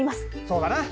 そうだな。